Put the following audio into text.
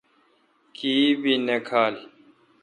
کی بھی نہ کھال۔